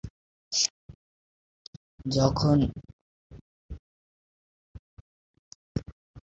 যখন বুঝি যে আমার জন্য এইটুকুই যথেষ্ট, তখনই ব্যাটিং শেষ করি।